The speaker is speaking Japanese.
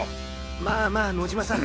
まぁまぁ野嶋さん